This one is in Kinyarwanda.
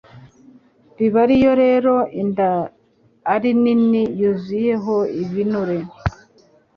Biba Iyo rero inda ari nini yuzuyeho ibinure,